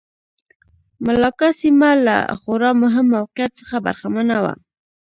ملاکا سیمه له خورا مهم موقعیت څخه برخمنه وه.